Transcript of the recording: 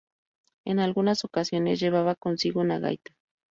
En algunas ocasiones llevaba consigo una gaita.